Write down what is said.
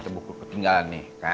nih kita bukalah ketinggalan nih kan